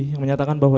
yang menyatakan bahwa